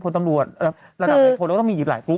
ทอนมีอีกหลายกลุ๊ป